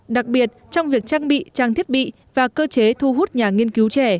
đặc biệt trong việc trang bị trang thiết bị và cơ chế thu hút nhà nghiên cứu trẻ